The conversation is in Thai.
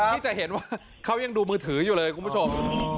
ที่จะเห็นว่าเขายังดูมือถืออยู่เลยคุณผู้ชม